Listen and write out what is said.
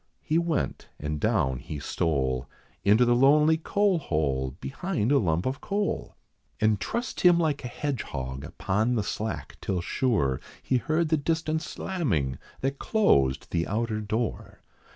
He went, and down he stole Into the lonely coal hole, behind a lump of coal, And trussed him like a hedgehog upon the slack till sure, He heard the distant slamming, that closed the outer door.